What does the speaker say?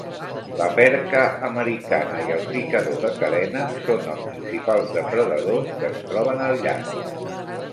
La perca americana i el picador de cadena són els principals depredadors que es troben al llac.